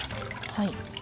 はい。